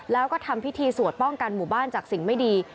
แล้วก็ทำพิธีสวดป้องกันหมู่บ้านจากสิ่งไม่ดี